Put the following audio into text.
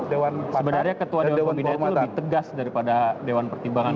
sebenarnya ketua dewan pembina itu lebih tegas daripada dewan pertimbangan